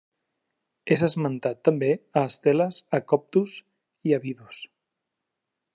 És esmentat també a esteles a Coptos i Abidos.